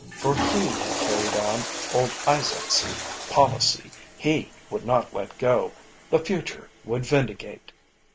For he had carried on old Isaac's policy. He would not let go. The future would vindicate.